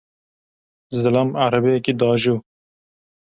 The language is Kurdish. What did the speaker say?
Zilam erebeyekê diajo.